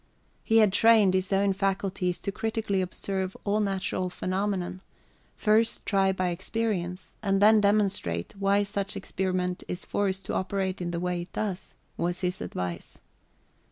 He had trained his own faculties to critically observe all natural phenomena: first try by experience, and then demonstrate why such experiment is forced to operate in the way it does, was his advice.